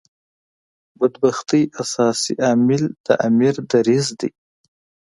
بدبختۍ اساسي عامل د امیر دریځ دی.